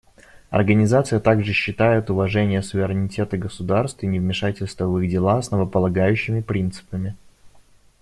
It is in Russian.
Организация также считает уважение суверенитета государств и невмешательство в их дела основополагающими принципами.